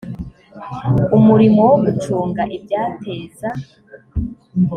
umurimo wo gucunga ibyateza